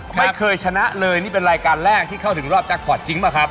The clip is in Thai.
ไม่เคยชนะเลยนี่เป็นรายการแรกที่เข้าถึงรอบแจ็คพอร์ตจริงป่ะครับ